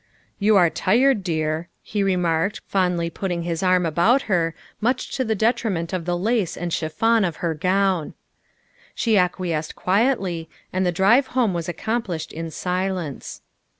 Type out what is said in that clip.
" You are tired, dear," he remarked, fondly putting 154 THE WIFE OF his arm about her, much to the detriment of the lace and chiffon on her gown. She acquiesced quietly, and the drive home was ac complished in silence.